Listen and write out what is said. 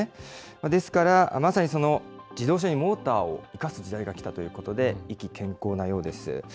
ですから、まさにその自動車にモーターを生かす時代が来たということで、意気軒こうなようです。